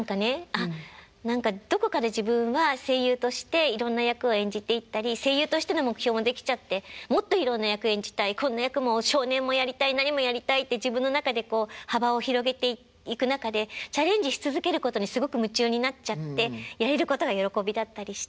あっ何かどこかで自分は声優としていろんな役を演じていったり声優としての目標もできちゃってもっといろんな役を演じたいこんな役も少年もやりたい何もやりたいって自分の中でこう幅を広げていく中でチャレンジし続けることにすごく夢中になっちゃってやれることが喜びだったりして。